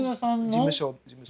事務所！